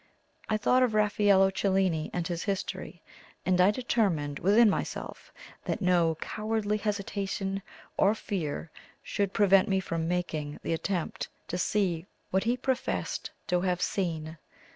I thought of Raffaello Cellini and his history, and I determined within myself that no cowardly hesitation or fear should prevent me from making the attempt to see what he professed to have seen.